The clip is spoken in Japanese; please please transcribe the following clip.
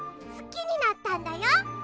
すきになったんだよ